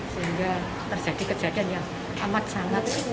sehingga terjadi kejadian yang amat sangat